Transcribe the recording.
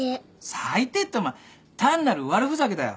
最低ってお前単なる悪ふざけだよ。